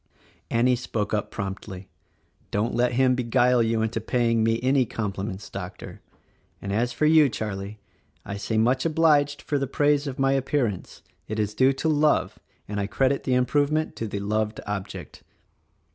Annie spoke up promptly, "Don't let him beguile you into paying me any compliments, Doctor. And as for you, Charlie, I say much obliged for the praise of my appear ance. It is due to love — and I credit the improvement to the loved object."